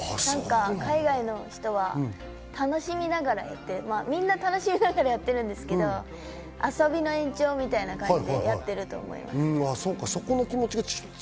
海外の人は楽しみながらやって、みんな楽しみながらやってるんですけど遊びの延長みたいな感じです。